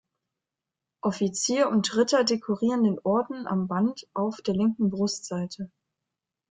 Offizier und Ritter dekorieren den Orden am Band auf der linken Brustseite.